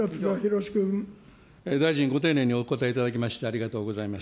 大臣、ご丁寧にお答えいただきまして、ありがとうございます。